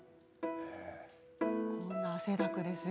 こんな汗だくですよ。